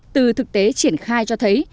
từ thực tế triển khai cho thấy